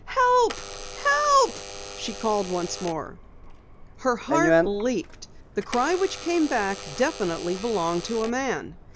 "Help! Help!" she called once more. Her heart leaped. The cry which came back definitely belonged to a man!